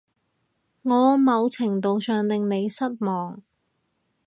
我某程度上令你失望